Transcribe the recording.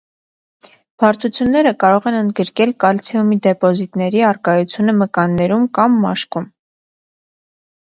Բարդությունները կարող են ընդգրկել կալցիումի դեպոզիտների առկայությունը մկաններում կամ մաշկում։